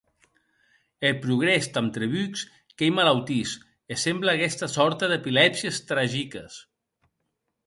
Eth progrés damb trebucs qu’ei malautís, e semble aguesta sòrta d’epilèpsies tragiques.